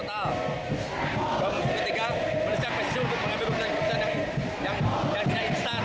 ketiga menerjang pssi untuk mengambil keputusan keputusan yang tidak instan